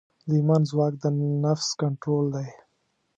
د ایمان ځواک د نفس کنټرول دی.